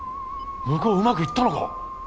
向こううまくいったのか？